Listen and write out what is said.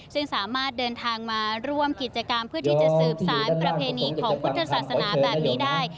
ซึ่งสามารถเดินทางมาร่วมกิจกรรมเพื่อที่จะสืบสารประเพณีของพุทธศาสนาแบบนี้ได้